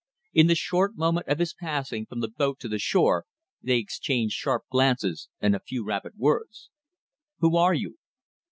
In the short moment of his passing from the boat to the shore they exchanged sharp glances and a few rapid words. "Who are you?"